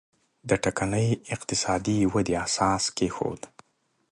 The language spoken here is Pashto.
د ټکنۍ اقتصادي ودې اساس کېښود.